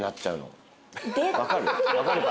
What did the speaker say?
分かる？